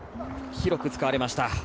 広く使われました。